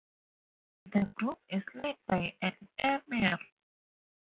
The group is led by an "Emir".